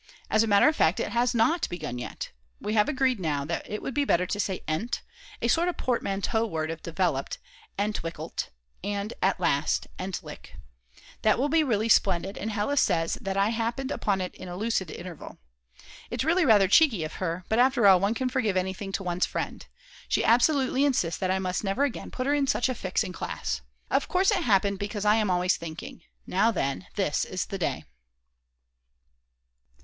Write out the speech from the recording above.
As a matter of fact it has not begun yet. We have agreed now that it will be better to say "Endt," a sort of portmanteau word of developed [entwickelt] and at last [endlich] . That will really be splendid and Hella says that I happened upon it in a lucid interval. It's really rather cheeky of her, but after all one can forgive anything to one's friend. She absolutely insists that I must never again put her in such a fix in class. Of course it happened because I am always thinking: Now then, this is the day.